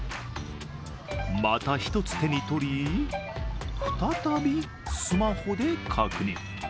また１つ手に取り、再びスマホで確認。